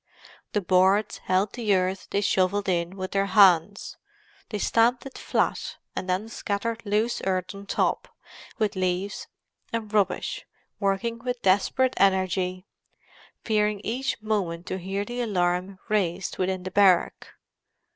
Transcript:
The boards held the earth they shovelled in with their hands; they stamped it flat, and then scattered loose earth on top, with leaves and rubbish, working with desperate energy—fearing each moment to hear the alarm raised within the barrack.